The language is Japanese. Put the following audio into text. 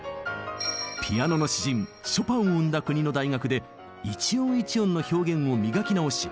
ピアノの詩人ショパンを生んだ国の大学で一音一音の表現を磨き直し